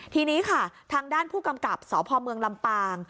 ทีนี้ค่ะทางด้านผู้กำกับสพเมืองลำปาง